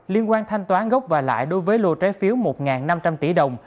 liên quan thanh toán gốc và lãi đối với lô trái phiếu một năm trăm linh tỷ đồng